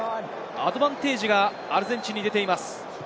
アドバンテージがアルゼンチンに出ています。